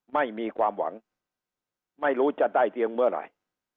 ไม่มีความหวังไม่รู้จะได้เตียงเมื่อไหร่